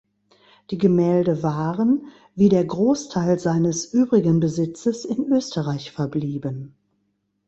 Die Gemälde waren, wie der Großteil seines übrigen Besitzes, in Österreich verblieben.